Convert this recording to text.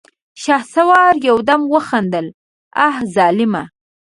شهسوار يودم وخندل: اه ظالمه!